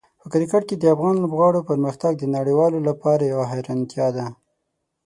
په کرکټ کې د افغان لوبغاړو پرمختګ د نړیوالو لپاره یوه حیرانتیا ده.